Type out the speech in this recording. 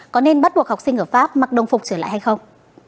có nên bắt buộc học sinh ở pháp mặc đồng phục trở lại hay không